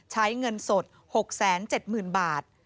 ใช้เงินสด๖๗๐๐๐บาท